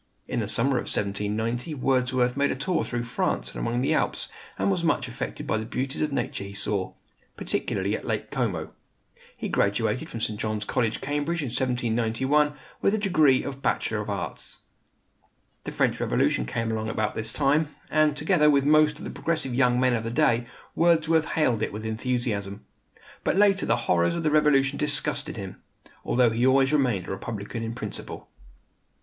In the summer of 1790 Wordsworth made a tour through France and among the Alps, and was much affected by the beauties of nature he saw, particularly at Lake Como. He graduated from St. John's College, Cambridge, in 1791, with the degree of Bachelor of Arts. The French Revolution came along about this time, and, together with most of the progressive young men of the day, Wordsworth hailed it with enthusiasm. But later the horrors of the Revolution disgusted him; although he always remained a Republican in principle.